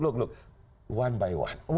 satu demi satu